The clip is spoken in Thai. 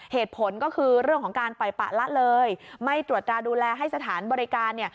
เหตุผลก็คือเรื่องของการปล่อยปะละเลยไม่ตรวจตราดูแลให้สถานบริการเนี่ย